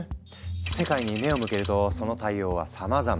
世界に目を向けるとその対応はさまざま。